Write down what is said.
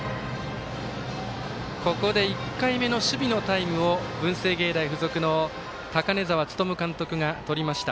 ここで１回目の守備のタイムを文星芸大付属の高根澤力監督がとりました。